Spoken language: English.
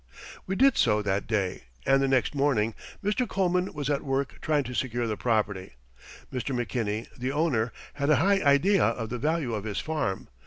We did so that day, and the next morning Mr. Coleman was at work trying to secure the property. Mr. McKinney, the owner, had a high idea of the value of his farm.